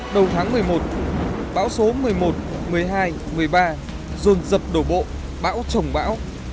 đầu tháng một mươi một bão số một mươi một một mươi hai một mươi ba dồn dập đổ bộ bão trồng bão